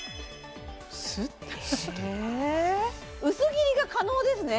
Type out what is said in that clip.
スッ薄切りが可能ですね